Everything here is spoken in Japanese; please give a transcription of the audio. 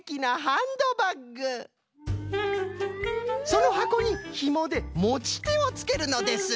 そのはこにひもでもちてをつけるのです。